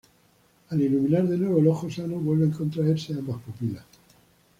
Al iluminar de nuevo el ojo sano, vuelven a contraerse ambas pupilas.